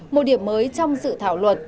một điểm mới trong sự thảo luật